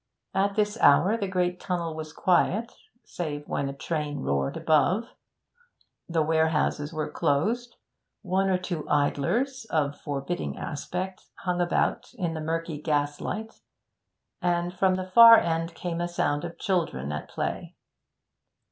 At this hour the great tunnel was quiet, save when a train roared above; the warehouses were closed; one or two idlers, of forbidding aspect, hung about in the murky gaslight, and from the far end came a sound of children at play.